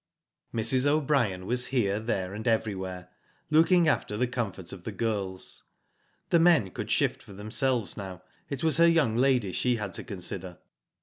Mrs. O'Brien was here, there, and everywhere, looking after the comfort of the girls. The men could shift for themselves now, it was her young lady she had to consider.